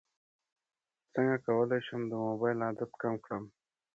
څنګه کولی شم د موبایل عادت کم کړم